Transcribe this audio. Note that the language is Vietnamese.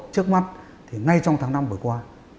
trước mắt ngay trong tháng năm vừa qua